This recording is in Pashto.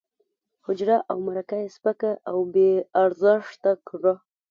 حجره او مرکه یې سپکه او بې ارزښته کړه.